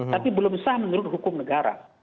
tapi belum sah menurut hukum negara